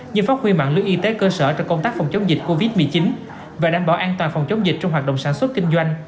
như phát huy mạng lưới y tế cơ sở cho công tác phòng chống dịch covid một mươi chín và đảm bảo an toàn phòng chống dịch trong hoạt động sản xuất kinh doanh